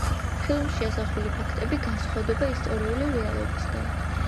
ფილმში ასახული ფაქტები განსხვავდება ისტორიული რეალობისგან.